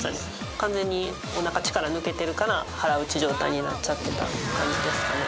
完全におなか力抜けてるから腹打ち状態になっちゃってたって感じですかね